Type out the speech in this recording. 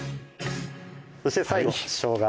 そして最後しょうが